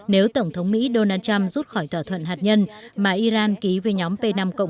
nếu tổng thống mỹ donald trump rút khỏi thỏa thuận hạt nhân mà iran ký với nhóm p năm một